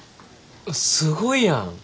すごいやん！